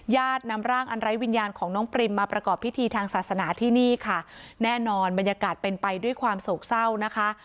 นำร่างอันไร้วิญญาณของน้องปริมมาประกอบพิธีทางศาสนาที่นี่ค่ะแน่นอนบรรยากาศเป็นไปด้วยความโศกเศร้านะคะ